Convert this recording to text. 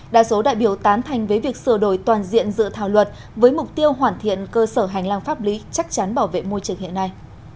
đa số đại biểu tán thành với việc sửa đổi toàn diện dự thảo luật với mục tiêu hoàn thiện cơ sở hành lang pháp lý chắc chắn bảo vệ môi trường hiện nay